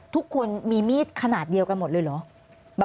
ทุกคนมีมีดขนาดเดียวกันหมดเลยเหรอ